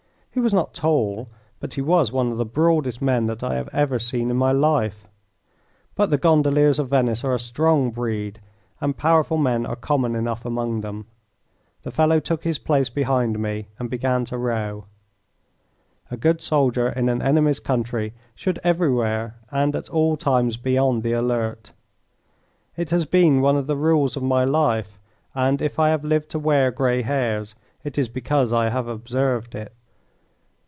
He was not tall, but he was one of the broadest men that I have ever seen in my life. But the gondoliers of Venice are a strong breed, and powerful men are common enough among them. The fellow took his place behind me and began to row. A good soldier in an enemy's country should everywhere and at all times be on the alert. It has been one of the rules of my life, and if I have lived to wear grey hairs it is because I have observed it.